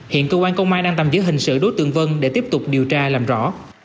hiện cơ quan công an đang tạm giữ hình sự đối tượng vân để tiếp tục điều tra làm rõ